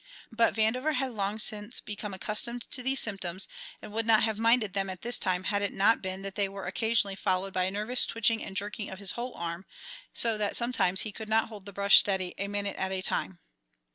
But Vandover had long since become accustomed to these symptoms and would not have minded them at this time had it not been that they were occasionally followed by a nervous twitching and jerking of his whole arm, so that sometimes he could not hold the brush steady a minute at a time.